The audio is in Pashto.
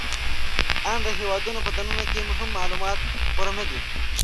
آن د هېوادونو په دننه کې هم معلومات پوره نهدي